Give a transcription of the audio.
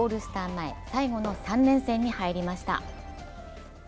前最後の３連戦に入りました。